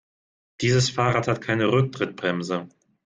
Dieses Fahrrad hat keine Rücktrittbremse.